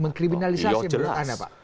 mengkriminalisasi beratannya pak